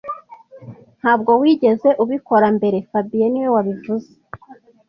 Ntabwo wigeze ubikora mbere fabien niwe wabivuze